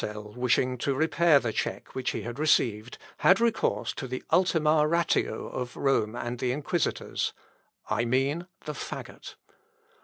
Tezel, wishing to repair the check which he had received, had recourse to the ultima ratio of Rome and the inquisitors, I mean the faggot.